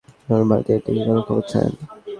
আর ভারতে যেন এটা নিয়ে কোনো খবর না ছড়ায়।